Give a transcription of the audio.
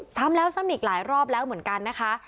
ซ้ำแล้วซ้ำอีกหลายรอบแล้วเหมือนกันนะคะ